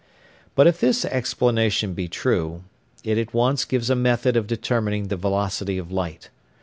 But if this explanation be true, it at once gives a method of determining the velocity of light.